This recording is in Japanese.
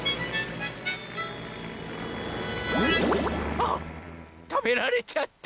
あったべられちゃった！